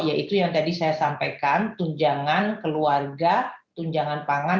yaitu yang tadi saya sampaikan tunjangan keluarga tunjangan pangan